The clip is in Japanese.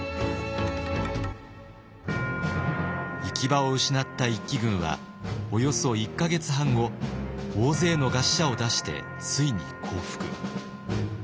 行き場を失った一揆軍はおよそ１か月半後大勢の餓死者を出してついに降伏。